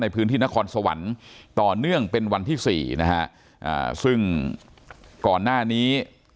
ในพื้นที่นครสวรรค์ต่อเนื่องเป็นวันที่สี่นะฮะอ่าซึ่งก่อนหน้านี้